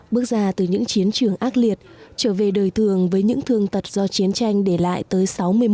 bước ra từ những chiến trường ác liệt trở về đời thường với những thương tật do chiến tranh để lại tới sáu mươi một